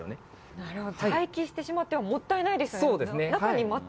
なるほど、廃棄してしまってはもったいないですよね。